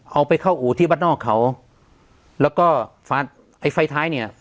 เอาไปเข้าอู่ที่วัดนอกเขาแล้วก็ฟันไอ้ไฟท้ายเนี่ย